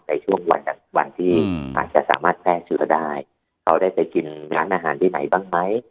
ในช่วงวันที่อาจจะสามารถแพร่เชื้อได้เขาได้ไปกินร้านอาหารที่ไหนบ้างไหม